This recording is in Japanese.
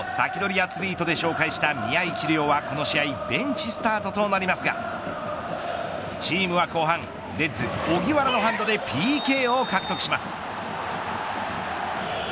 アツリートで紹介した宮市亮はこの試合ベンチスタートとなりますがチームは後半レッズ、荻原のハンドでＰＫを獲得します。